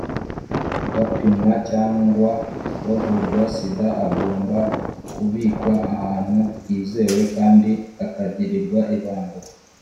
bapimwa cyangwa bavurwa sida agomba kubikwa ahantu hizewe kandi akagirirwa ibanga.